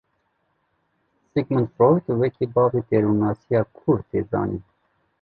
Sigmund Freud wekî bavê derûnnasiya kûr tê zanîn.